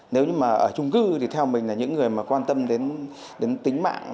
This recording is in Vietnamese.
nếu như mà ở trung cư thì theo mình là những người mà quan tâm đến tính mạng